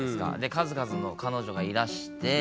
数々の彼女がいらして。